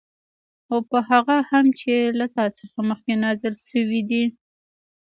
او په هغه هم چې له تا څخه مخكي نازل شوي دي